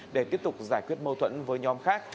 để tiếp tục giải quyết mâu thuẫn với nhóm khác